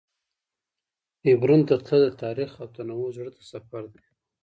حبرون ته تلل د تاریخ او تنوع زړه ته سفر دی.